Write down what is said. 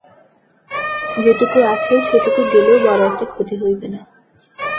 যেটুকু আছে সেটুকু গেলেও বড় একটা ক্ষতি হইবে না।